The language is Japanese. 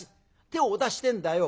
手をお出しってんだよ。